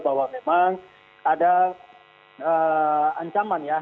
bahwa memang ada ancaman ya